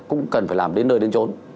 cũng cần phải làm đến nơi đến chốn